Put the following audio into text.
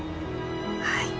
はい。